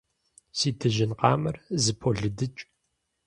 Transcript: Си дыжьын къамэр зыполыдыкӏ.